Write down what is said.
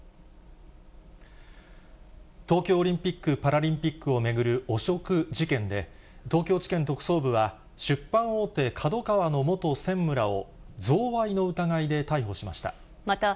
東京オリンピック・パラリンピックを巡る汚職事件で、東京地検特捜部は、出版大手、ＫＡＤＯＫＡＷＡの元専務らを贈賄の疑いで逮捕しました。